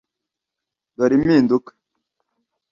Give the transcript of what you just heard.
Dore impinduka.